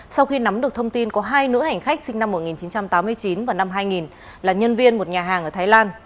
sau khi nắm được thông tin có hai nữ hành khách sinh năm một nghìn chín trăm tám mươi chín và năm hai nghìn là nhân viên một nhà hàng ở thái lan